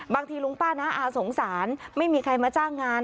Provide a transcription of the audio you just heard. บางทีลุงป้าน้าอาสงสารไม่มีใครมาจ้างงาน